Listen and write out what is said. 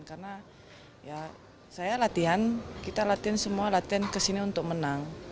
karena saya latihan kita latihan semua latihan kesini untuk menang